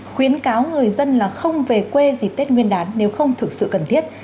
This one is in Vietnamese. khuyến cáo người dân là không về quê dịp tết nguyên đán nếu không thực sự cần thiết